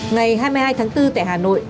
ngày hai mươi hai tháng bốn tại hà nội